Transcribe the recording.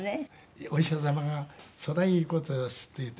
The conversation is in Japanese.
お医者様が「そりゃいい事です」って言って。